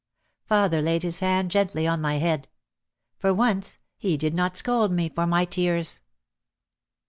Father laid his hand gently on my head. For once he did not scold me for my tears.